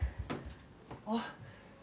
あっ。